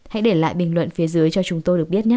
hãy để lại bình luận phía dưới cho chúng tôi được biết nhất